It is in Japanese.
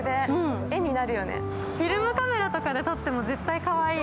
フィルムカメラとかで撮っても絶対かわいい。